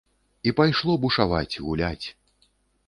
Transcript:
І пайшло бушаваць, гуляць.